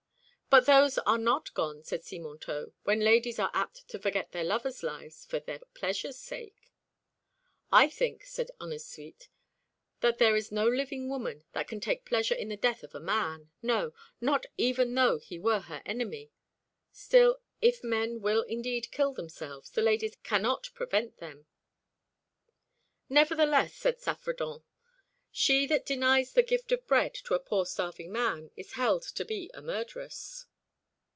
"But those are not gone," said Simontault, "when ladies are apt to forget their lovers' lives for their pleasure's sake." "I think," said Ennasuite, "that there is no living woman that can take pleasure in the death of a man, no, not even though he were her enemy. Still, if men will indeed kill themselves, the ladies cannot prevent them." "Nevertheless," said Saffredent, "she that denies the gift of bread to a poor starving man is held to be a murderess."